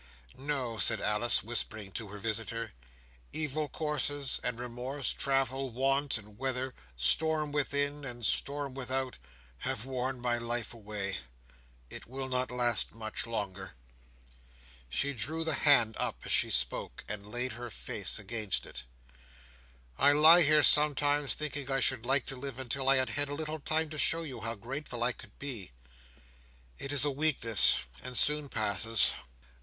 "No," said Alice, whispering to her visitor, "evil courses, and remorse, travel, want, and weather, storm within, and storm without, have worn my life away. It will not last much longer. She drew the hand up as she spoke, and laid her face against it. "I lie here, sometimes, thinking I should like to live until I had had a little time to show you how grateful I could be! It is a weakness, and soon passes.